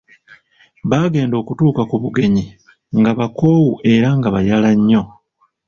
Baagenda okutuuka ku bugenyi, nga bakoowu era nga bayala nnyo.